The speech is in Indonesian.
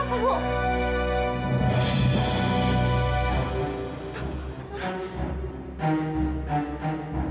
ibu kenapa bu